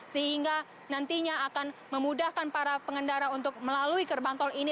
sehingga nantinya akan memudahkan para pengendara untuk melalui gerbang tol ini